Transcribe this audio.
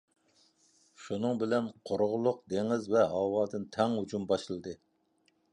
شۇنىڭ بىلەن، قۇرۇقلۇق، دېڭىز ۋە ھاۋادىن تەڭ ھۇجۇم باشلىدى.